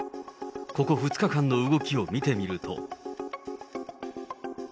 ここ２日間の動きを見てみると。